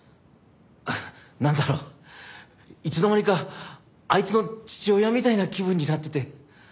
なんだろういつの間にかあいつの父親みたいな気分になってて。